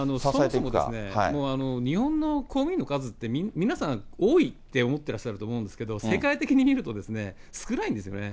そもそもですね、日本の公務員の数って皆さん多いって思ってらっしゃると思うんですけど、世界的に見ると少ないんですよね。